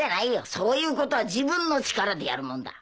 そういうことは自分の力でやるもんだ。